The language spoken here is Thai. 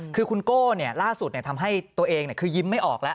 คือคุณโก้ล่าสุดทำให้ตัวเองคือยิ้มไม่ออกแล้ว